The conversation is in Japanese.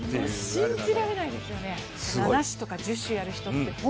信じられないですよね、七種とか十種やる人って。